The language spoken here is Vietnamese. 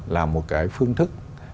là một cái phương thức